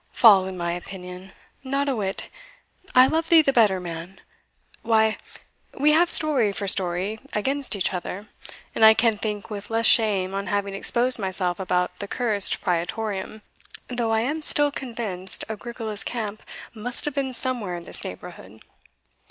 "Fall in my opinion! not a whit I love thee the better, man; why, we have story for story against each other, and I can think with less shame on having exposed myself about that cursed Praetorium though I am still convinced Agricola's camp must have been somewhere in this neighbourhood.